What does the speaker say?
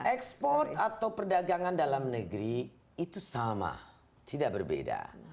ekspor atau perdagangan dalam negeri itu sama tidak berbeda